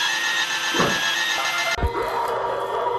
ধামরাই শহরের বাজার রোডের আইএফআইসি ব্যাংকে তাঁদের টাকা জমা দেওয়ার কথা ছিল।